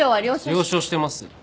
了承してます。